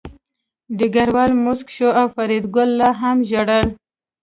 ډګروال موسک شو او فریدګل لا هم ژړل